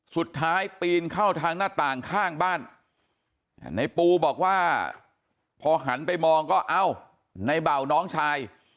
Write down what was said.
ปีนเข้าทางหน้าต่างข้างบ้านในปูบอกว่าพอหันไปมองก็เอ้าในเบาน้องชาย